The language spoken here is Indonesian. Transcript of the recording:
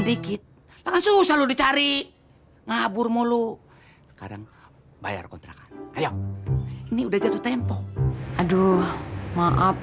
dikit langsung selalu dicari ngabur mulu sekarang bayar kontrakan ayo ini udah jatuh tempo aduh maaf